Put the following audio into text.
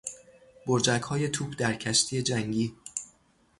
برجکهای توپ در کشتی جنگی